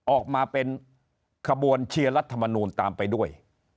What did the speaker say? ออกมาเป็นขบวนเชียร์รัฐมนูลตามไปด้วย